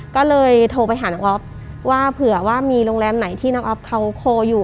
ก็เลยโทรไปหาน้องอ๊อฟว่าเผื่อว่ามีโรงแรมไหนที่น้องอ๊อฟเขาโคลอยู่